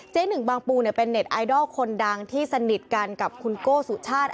หนึ่งบางปูเป็นเน็ตไอดอลคนดังที่สนิทกันกับคุณโก้สุชาติ